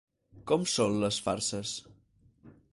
Com són les farses?